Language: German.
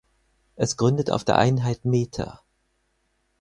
Es gründet auf der Einheit Meter.